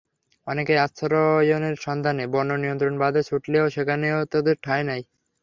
অনেকেই আশ্রয়ের সন্ধানে বন্যা নিয়ন্ত্রণ বাঁধে ছুটলেও সেখানেও তাদের ঠাঁই মেলেনি।